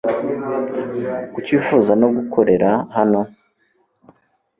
Kuki wifuza no gukorera hano?